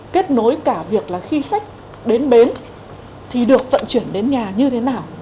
kết nối cả việc là khi khách đến bến thì được vận chuyển đến nhà như thế nào